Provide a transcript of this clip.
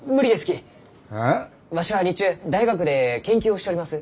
わしは日中大学で研究をしております。